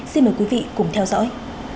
xin mời quý vị cùng theo dõi